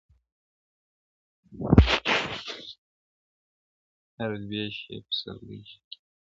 هره لوېشت یې پسرلی کې هر انګړ یې ګلستان کې-